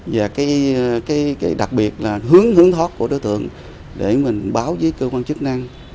và đặc biệt là hướng hướng thoát của đối tượng để mình báo với cơ quan chức năng